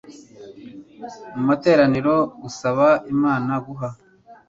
mu materaniro gusaba Imana guha